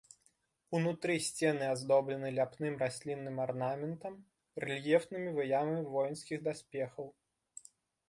Унутры сцены аздоблены ляпным раслінным арнаментам, рэльефнымі выявамі воінскіх даспехаў.